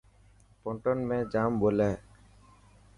پونٽون ۾ جام ٻولي.